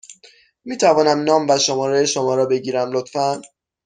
می توانم نام و شماره شما را بگیرم، لطفا؟